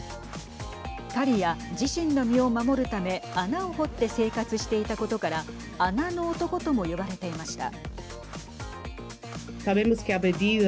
狩りや、自身の身を守るため穴を掘って生活していたことから穴の男とも呼ばれていました。